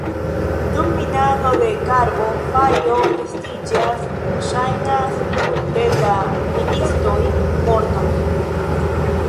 Dum minado de karbo fajro estiĝas, ŝajnas, multe da ministoj mortos.